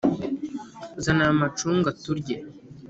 zana ayo macunga turye